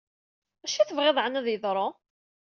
Acu i t-ɣiddeḍ aɛni ad yeḍṛu?